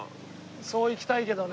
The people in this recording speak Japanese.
そういきたいけどね。